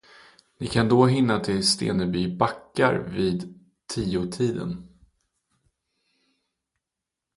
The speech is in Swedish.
Ni kan då hinna till Stenby backar vid tiotiden.